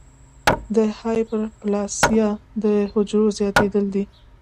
د هایپرپلاسیا د حجرو زیاتېدل دي.